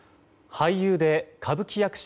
俳優で歌舞伎役者